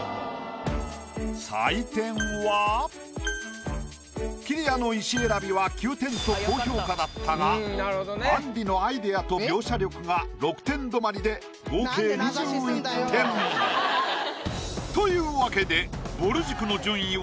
採点はきりやの石選びは９点と高評価だったがあんりのアイディアと描写力が６点止まりで合計２１点。というわけでぼる塾の順位は。